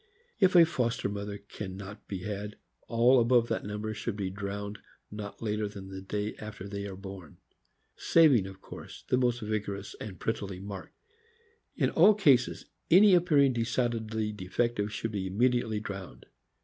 If a foster mother can not be had, all above that number should be drowned not later than the day after they are born; saving, of course, the most vigorous and prettily marked. In all cases, any appearing decidedly defective should be immediately drowned.